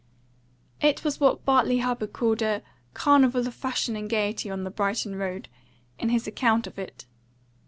It was what Bartley Hubbard called "a carnival of fashion and gaiety on the Brighton road," in his account of it.